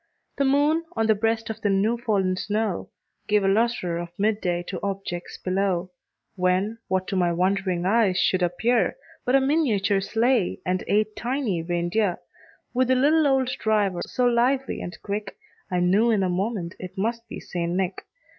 The moon, on the breast of the new fallen snow, Gave a lustre of mid day to objects below; When, what to my wondering eyes should appear, But a miniature sleigh, and eight tiny rein deer, With a little old driver, so lively and quick, I knew in a moment it must be St. Nick.